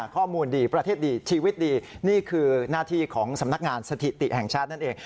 ข้อมูลดีประเทศดีชีวิตดีนี่คือหน้าที่ของสำนักงานสถิติแห่งชาตินั่นเอง